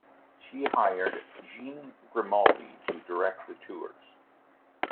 She hired Jean Grimaldi to direct the tours.